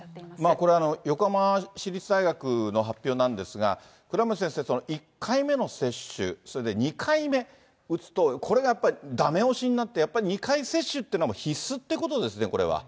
これ、横浜市立大学の発表なんですが、倉持先生、１回目の接種、それから２回目打つと、これがやっぱりだめ押しになって、やっぱり２回接種というのは、必須っていうことですね、これは。